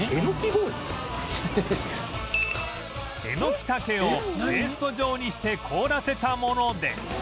えのきたけをペースト状にして凍らせたもので